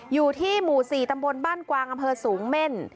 อยู่ที่หมู่๔ตำบลบ้านกวางอำเภอสูงเม่น